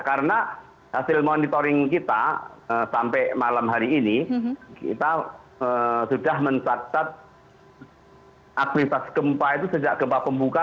karena hasil monitoring kita sampai malam hari ini kita sudah mencatat aktivitas gempa itu sejak gempa pembuka